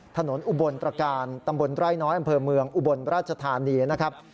อุบลตรการตำบลไร่น้อยอำเภอเมืองอุบลราชธานีนะครับ